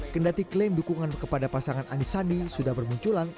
kendati klaim dukungan kepada pasangan anies sandi sudah bermunculan